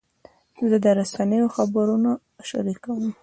زه د رسنیو خبرونه شریکوم.